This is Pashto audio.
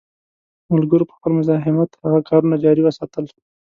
ملګرو په خپل مزاحمت هغه کارونه جاري وساتل.